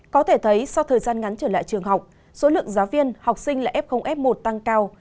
có thể thấy sau thời gian ngắn trở lại trường học số lượng giáo viên học sinh là f f một tăng cao